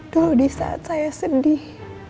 dulu disaat saya sedih